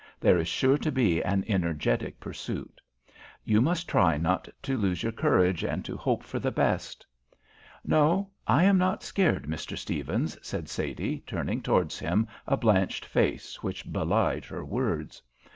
There is sure to be an energetic pursuit. You must try not to lose your courage, and to hope for the best." "No, I am not scared, Mr. Stephens," said Sadie, turning towards him a blanched face which belied her words.